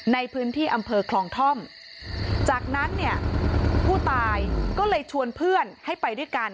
ในพื้นที่อำเภอคลองท่อมจากนั้นเนี่ยผู้ตายก็เลยชวนเพื่อนให้ไปด้วยกัน